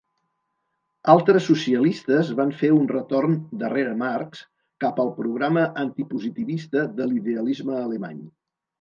Altres socialistes van fer un reton "darrere Marx" cap al programa antipositivista de l'idealisme alemany.